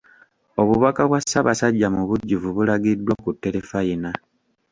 Obubaka bwa Ssaabasajja mu bujjuvu bulagiddwa ku Terefayina.